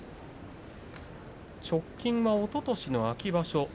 直近はおととしの秋場所